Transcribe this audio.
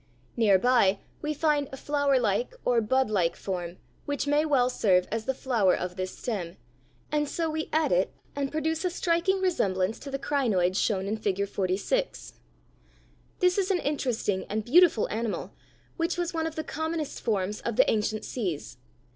Near by we find a flowerlike or budlike form (Fig 45), which may well serve as the flower of this stem, and so we add it and produce a striking resemblance to the crinoid shown in Figure 46. This is an interesting and beautiful animal which was one of the commonest forms of the ancient seas.